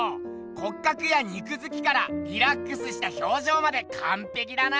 骨格や肉づきからリラックスした表情までかんぺきだな。